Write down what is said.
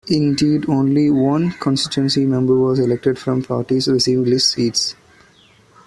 Indeed, only one constituency member was elected from parties receiving list seats.